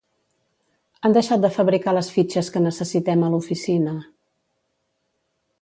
Han deixat de fabricar les fitxes que necessitem a l'oficina